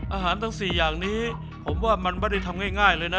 อาหารทั้ง๔อย่างนี้มันไม่ได้ทำง่ายนะ